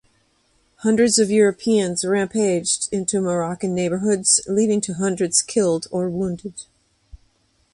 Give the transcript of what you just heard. Hundreds of Europeans rampaged into Moroccan neighborhoods leading to hundreds killed or wounded.